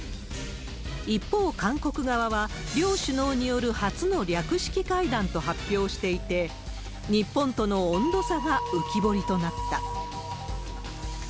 一方、韓国側は、両首脳による初の略式会談と発表していて、日本との温度差が浮き彫りとなった。